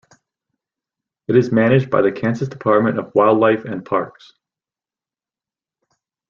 It is managed by the Kansas Department of Wildlife and Parks.